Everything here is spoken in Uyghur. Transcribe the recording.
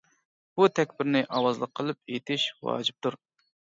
بۇ تەكبىرنى ئاۋازلىق قىلىپ ئېيتىش ۋاجىپتۇر.